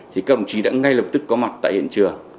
thì các đồng chí đã ngay lập tức có mặt tại hiện trường